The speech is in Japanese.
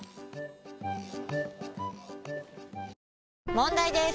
問題です！